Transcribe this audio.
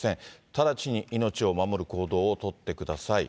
直ちに命を守る行動を取ってください。